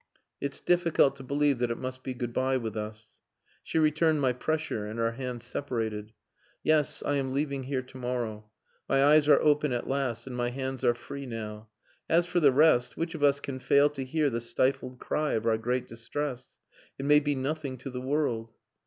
"It's difficult to believe that it must be good bye with us." She returned my pressure and our hands separated. "Yes. I am leaving here to morrow. My eyes are open at last and my hands are free now. As for the rest which of us can fail to hear the stifled cry of our great distress? It may be nothing to the world."